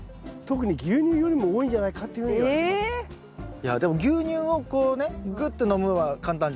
いやでも牛乳をこうねぐって飲むのは簡単じゃん。